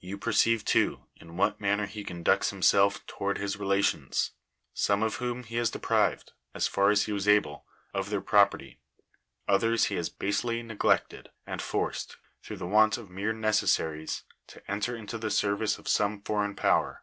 You perceive, too, in what manner he conducts himself toward his relations; some of whom he has deprived, as far as he was able, of their property; others he has basely neglected, and forced, through the want of mere necessaries to enter into the ser vice of some foreign power.